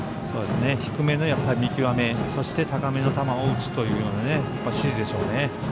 低めの見極め高めの球を打つというような指示でしょうね。